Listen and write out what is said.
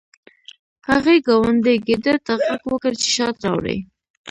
هغې ګاونډي ګیدړ ته غږ وکړ چې شات راوړي